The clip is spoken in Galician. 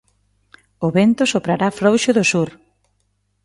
O vento soprará frouxo do sur.